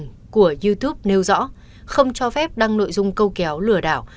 các nội dung của youtube nêu rõ không cho phép đăng nội dung câu kéo lừa đảo